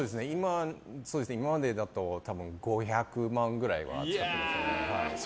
今までだと５００万くらいは使ってますね。